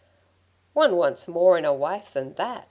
'One wants more in a wife than that!'